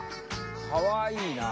かわいいな。